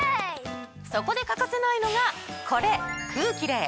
そこで欠かせないのがこれ。